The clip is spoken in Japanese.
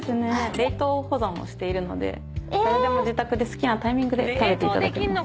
冷凍保存もしているので誰でも自宅で好きなタイミングで食べていただけます。